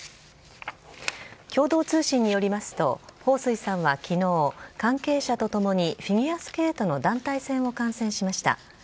共同通信によりますと、彭帥さんはきのう、関係者と共にフィギュアスケートの団体戦を観戦しました。